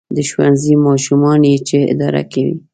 • د ښوونځي ماشومان یې چې اداره کوي.